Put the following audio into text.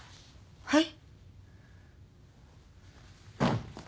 はい？